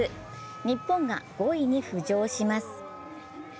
日本が５位に浮上します。